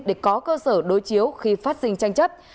để có cơ sở đối chiếu khi phát sinh tranh chấp